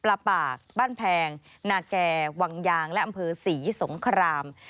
ปลาปากบ้านแพงนาแก่วังยางและอำเภอศรีสงคราม